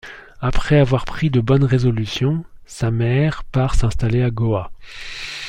Après avoir pris de bonnes résolutions, Sameer part s’installer à Goa.